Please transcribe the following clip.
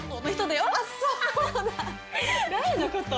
誰のこと？